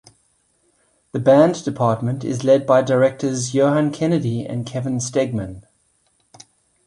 The band department is led by directors johann kennedy and Kevin Steggmann.